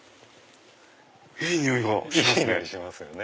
いい匂いがしますね。